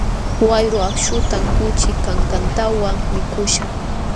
Wayru akśhutam kuchi kankantawan mikuśhaq.